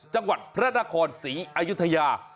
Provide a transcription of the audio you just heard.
จังหวัดพระนครศรีอายุทยา